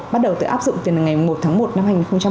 bắt đầu tự áp dụng từ ngày một tháng một năm hai nghìn một mươi tám